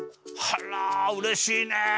あらうれしいね。